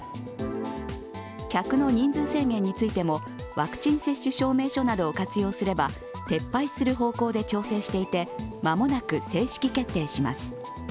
客の人数制限についても、ワクチン接種証明書などを活用すれば撤廃する方向で調整していてまもなく正式決定します。